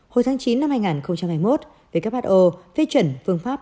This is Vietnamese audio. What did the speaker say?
hồi tháng chín năm hai nghìn hai mươi một who phê chuẩn phương pháp